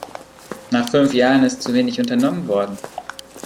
Nach fünf Jahren ist zu wenig unternommen worden.